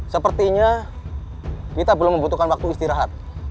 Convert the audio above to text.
sepertinya kita belum membutuhkan waktu istirahat